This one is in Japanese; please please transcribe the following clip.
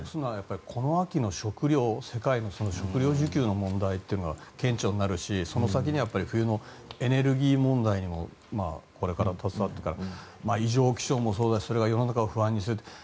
この秋の食料世界の食料需給の問題が顕著になるし、その先には冬のエネルギー問題にもこれから携わってくるので異常気象もそうですしそれが世の中を不安にするとか。